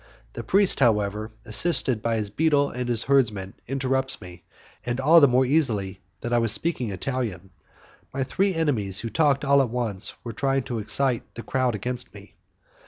The priest, however, assisted by his beadle and by the herdsman, interrupts me, and all the more easily that I was speaking Italian. My three enemies, who talked all at once, were trying to excite the crowd against me.